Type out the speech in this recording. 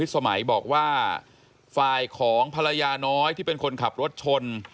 สมัยบอกว่าฝ่ายของภรรยาน้อยที่เป็นคนขับรถชน